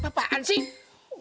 ih apaan sih